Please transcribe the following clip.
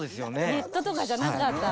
ネットとかじゃなかった。